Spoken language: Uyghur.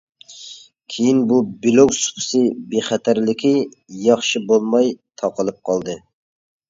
كېيىن بۇ بىلوگ سۇپىسى بىخەتەرلىكى ياخشى بولماي تاقىلىپ قالدى.